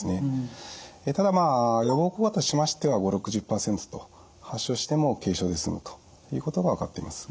ただ予防効果としましては５０６０％と発症しても軽症で済むということが分かっています。